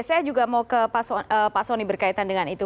saya juga mau ke pak soni berkaitan dengan itu